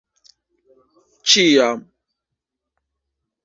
Ĉiam.